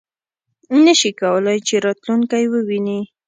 نه شي کولای چې راتلونکی وویني .